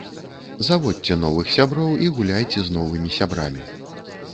Заводзіце новых сяброў і гуляйце з новымі сябрамі.